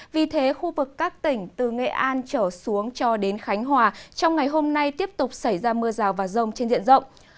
vì thế khu vực các tỉnh từ nghệ an trở xuống cho đến khánh hòa trong ngày hôm nay tiếp tục xảy ra mưa rào và rông trên diện rộng